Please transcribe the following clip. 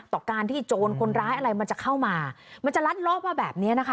ต่อการที่โจรคนร้ายอะไรมันจะเข้ามามันจะลัดรอบมาแบบนี้นะคะ